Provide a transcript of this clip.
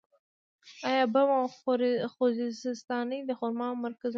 آیا بم او خوزستان د خرما مرکزونه نه دي؟